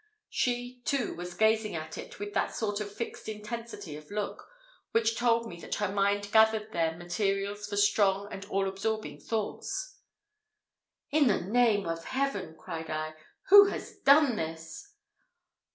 She, too, was gazing at it with that sort of fixed intensity of look, which told that her mind gathered there materials for strong and all absorbing thoughts. "In the name of Heaven!" cried I, "who has done this?"